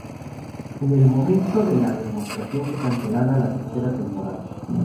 En el momento de la demostración fue cancelada la tercera temporada.